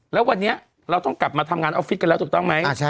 แล้ววันนี้เราต้องกลับมาทำงานออฟฟิศกันแล้วถูกต้องไหม